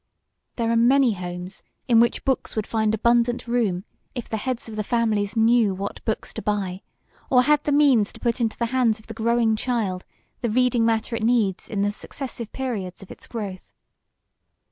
There are many homes in which books would find abundant room if the heads of the families knew what books to buy, or had the means to put into the hands of the growing child the reading matter it needs in the successive periods of its growth.